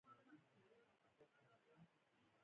ګیلاس د ژمي مینه ده.